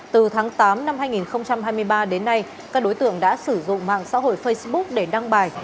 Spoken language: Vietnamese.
từ tháng tám năm hai nghìn hai mươi ba đến nay các đối tượng đã sử dụng mạng xã hội facebook để đăng bài